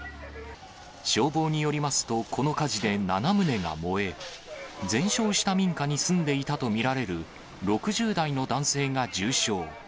消防によりますと、この火事で７棟が燃え、全焼した民家に住んでいたと見られる、６０代の男性が重傷。